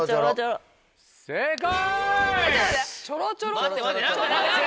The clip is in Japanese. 正解。